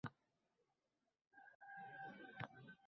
Shundagina u yagolar ruhiyatini teranroq his qiladi, ochib beradi.